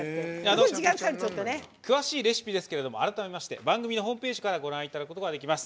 詳しいレシピですけれども改めまして番組のホームページからご覧いただくことができます。